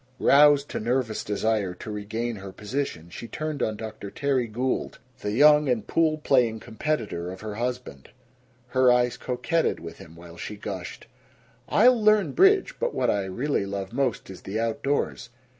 Roused to nervous desire to regain her position she turned on Dr. Terry Gould, the young and pool playing competitor of her husband. Her eyes coquetted with him while she gushed: "I'll learn bridge. But what I really love most is the outdoors.